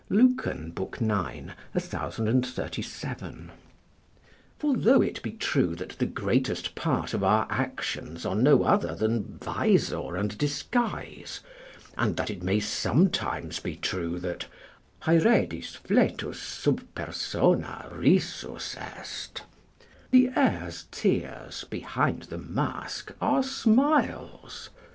Lucan, ix. 1037.] for though it be true that the greatest part of our actions are no other than visor and disguise, and that it may sometimes be true that "Haeredis fletus sub persona rises est," ["The heir's tears behind the mask are smiles."